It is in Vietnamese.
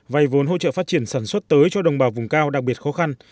vay vốn hỗ trợ phát triển sản xuất tới cho đồng bào vùng cao đặc biệt khó khăn